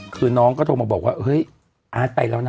คือน้องก็โทรมาบอกว่าเฮ้ยอาร์ตไปแล้วนะ